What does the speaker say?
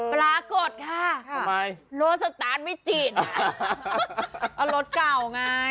ปรากฏค่ะที่บ๊ายลสตารสมินจีนเออรถเก่าไง